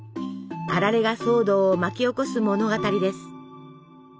「あられ」が騒動を巻き起こす物語です。